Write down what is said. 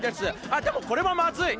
あっでもこれはまずい。